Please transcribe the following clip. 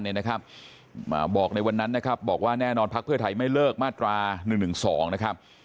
มาบอกในวันนั้นนะครับบอกว่าแน่นอนพลักษณ์เพื่อไทยไม่เลิกมาตรา๑๑๒นะครับ